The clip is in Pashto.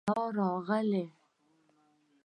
رڼا راغله.